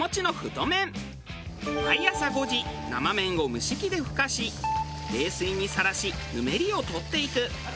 毎朝５時生麺を蒸し器でふかし冷水にさらしぬめりを取っていく。